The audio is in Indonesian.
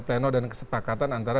pleno dan kesepakatan antara